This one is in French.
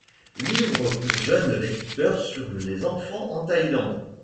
Livre pour jeunes lecteurs sur les enfants en Thaïlande..